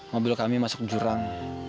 mobil kami masuk jurang